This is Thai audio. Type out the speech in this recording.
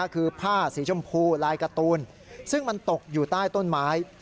คือผ้าสีชมพูลายการ์ตูนซึ่งมันตกอยู่ใต้ต้นไม้